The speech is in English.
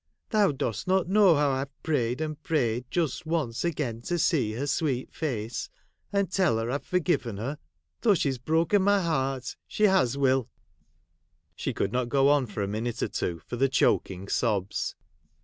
Thou dost not know how I Ve prayed and prayed just once again to see her sweet face, and tell her I Ve forgiven her, though she 's broken my heart — she has, Will.' She could not go on for a minute or two for the choking sobs.